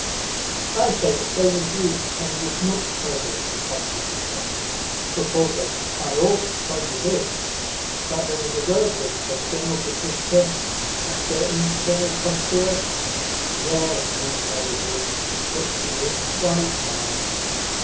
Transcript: "I say the same as you, and with much pleasure," replied Chichikov. "But also I ought to tell you this: that there is a relative of General Betristchev's, a certain Colonel Koshkarev " "Yes, we know him; but he is quite mad."